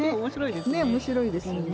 面白いですね。